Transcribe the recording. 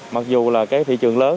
mặc dù là cái thị trường lớn